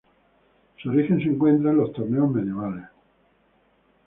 Su origen se encuentra en los torneos medievales.